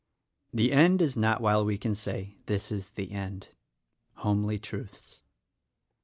"The end is not while we can say, 'This is the end.' "— Homely Truths.